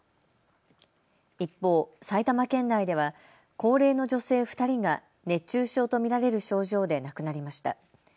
一方、埼玉県内では高齢の女性２人が熱中症と見られる症状で亡くなりました。